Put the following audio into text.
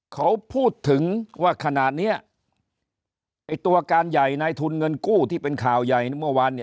เขาพูดถึงว่าขณะนี้ไอ้ตัวการใหญ่ในทุนเงินกู้ที่เป็นข่าวใหญ่เมื่อวาน